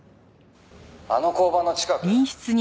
「あの交番の近く？」